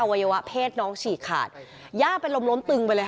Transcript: วัยวะเพศน้องฉีกขาดย่าเป็นลมล้มตึงไปเลยค่ะ